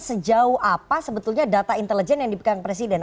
sejauh apa sebetulnya data intelijen yang dipegang presiden